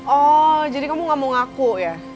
oh jadi kamu gak mau ngaku ya